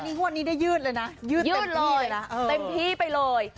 งวดนี้ได้ยืดเลยนะยืดเต็มที่ไปเลย